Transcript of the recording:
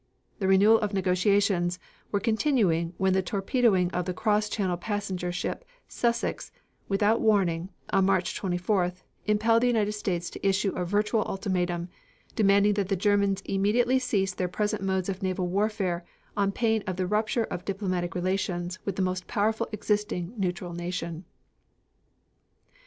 The renewed negotiations were continuing when the torpedoing of the cross channel passenger ship Sussex, without warning, on March 24th, impelled the United States to issue a virtual ultimatum, demanding that the Germans immediately cease their present methods of naval warfare on pain of the rupture of diplomatic relations with the most powerful existing neutral nation.